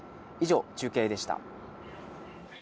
以上、中継でした。